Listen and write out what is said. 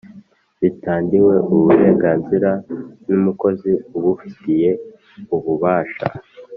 bitandiwe uburenganzira n' umukozi ubufitiye ububasha